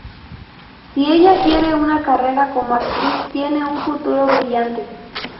Si ella quiere una carrera como actriz, tiene un futuro brillante".